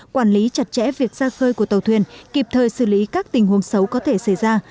quản lý chặt chẽ việc ra khơi của tàu thuyền kịp thời xử lý các tình huống xấu có thể xảy ra